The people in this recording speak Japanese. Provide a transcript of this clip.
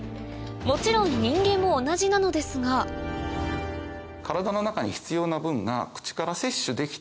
もちろん人間も同じなのですが例えば。